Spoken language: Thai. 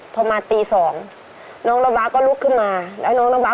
โปรดติดตามต่อไป